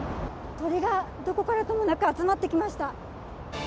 鳥がどこからともなく集まってきました。